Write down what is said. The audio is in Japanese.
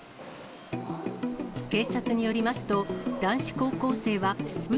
警察によりますと、男子高校生はう